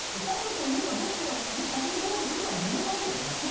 サルとイヌがどっちが先にゴールするかでもめたわけだよな？